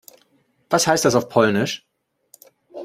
Was heißt das auf Polnisch?